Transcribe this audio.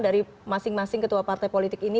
dari masing masing ketua partai politik ini